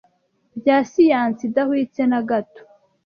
bya siyansi idahwitse na gato